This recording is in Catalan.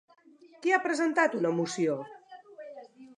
Qui ha presentat una moció?